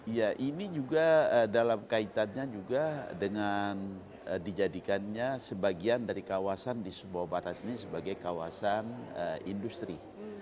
ya ini juga dalam kaitannya juga dengan dijadikannya sebagian dari kawasan di sumbawa barat ini sebagai kawasan industri